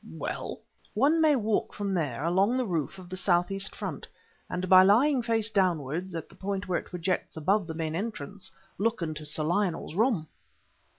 "Well?" "One may walk from there along the roof of the southeast front, and by lying face downwards at the point where it projects above the main entrance look into Sir Lionel's room!"